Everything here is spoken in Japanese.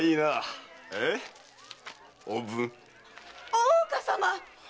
大岡様！